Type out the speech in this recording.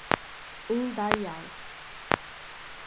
Indaial